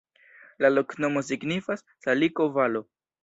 La loknomo signifas: saliko-valo.